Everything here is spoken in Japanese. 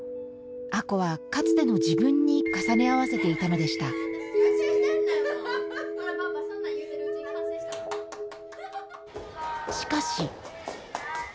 亜子はかつての自分に重ね合わせていたのでしたしかし。